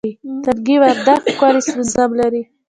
تنگي وردک ښکلی موسم لري